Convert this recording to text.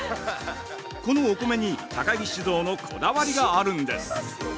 このお米に高木酒造のこだわりがあるんです。